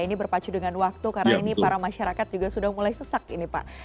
ini berpacu dengan waktu karena ini para masyarakat juga sudah mulai sesak ini pak